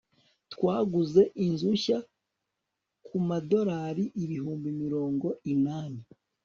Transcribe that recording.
twaguze inzu nshya kumadorari ibihumbi mirongo inani